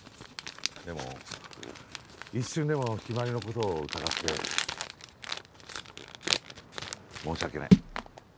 でも一瞬でも陽葵の事を疑って申し訳ない。